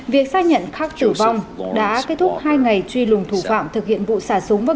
việc xác nhận khắc tử vong đã kết thúc hai ngày truy lùng thủ phạm thực hiện vụ xả súng vào